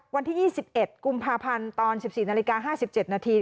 วันที่๒๑กุมภาพันธ์ตอน๑๔นาฬิกา๕๗นาที